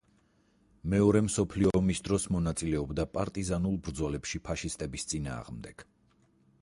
მეორე მსოფლიო ომის დროს მონაწილეობდა პარტიზანულ ბრძოლებში ფაშისტების წინააღმდეგ.